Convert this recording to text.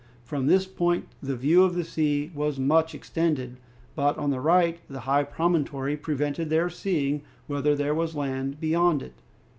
From this point the view of the sea was much extended, but on the right the high promontory prevented their seeing whether there was land beyond it.